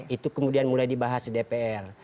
itu kemudian mulai dibahas di dpr